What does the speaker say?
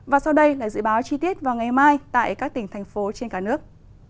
và sau đây là dự báo chi tiết vào ngày mai tại các tỉnh thành phố trên cả nước